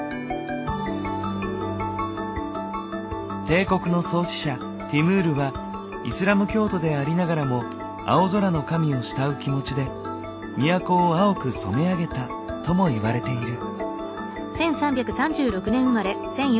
帝国の創始者ティムールはイスラム教徒でありながらも青空の神を慕う気持ちで都を青く染め上げたともいわれている。